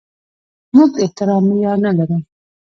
موږ د احترام معیار نه لرو.